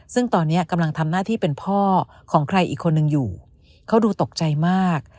ซึ่งตอนนี้กำลังทำหน้าที่เป็นพ่อของใครอีกคนนึงอยู่เขาดูตกใจมาก